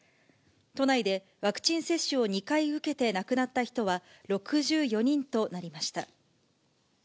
都内でワクチン接種を２回受けて亡くなった人は６４人となりました。